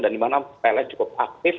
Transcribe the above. dan di mana pln cukup aktif